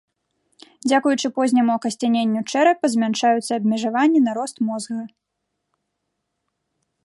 Дзякуючы позняму акасцяненню чэрапа змяншаюцца абмежаванні на рост мозга.